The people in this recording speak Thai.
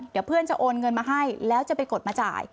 เดี๋ยวเพื่อนจะโอนเงินมาให้แล้วจะไปกดมาจ่าย